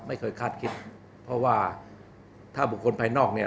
ไม่เคยคาดคิดเพราะว่าถ้าบุคคลภายนอกเนี่ย